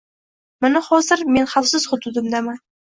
Mana hozir men xavfsiz hududimdaman